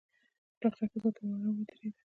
پخه ښځه په وره ودرېده.